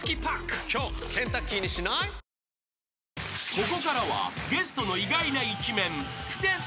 ［ここからはゲストの意外な一面］